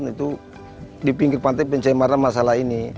itu di pinggir pantai pencemaran masalah ini